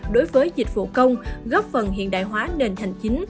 đối với dịch vụ công góp phần hiện đại hóa nền hành chính